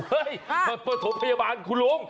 มาประถมพยาบาลคุณลุง